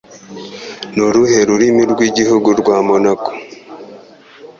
Ni uruhe rurimi rw'igihugu rwa Monaco?